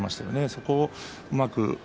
そこをうまく